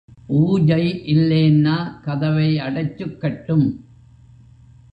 பூஜை இல்லேன்னா கதவை அடைச்சுக்கட்டும்.